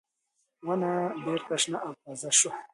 ونه بېرته شنه او تازه شوه.